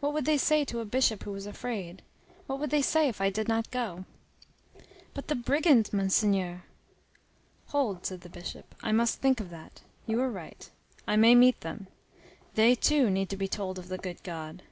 What would they say to a bishop who was afraid? What would they say if I did not go?" "But the brigands, Monseigneur?" "Hold," said the Bishop, "I must think of that. You are right. I may meet them. They, too, need to be told of the good God."